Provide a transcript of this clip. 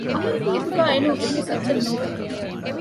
އަހަރެންގެ ހިތުގައި އެނޫން އެހެން އެއްވެސް އެއްޗެއް ނޯވެ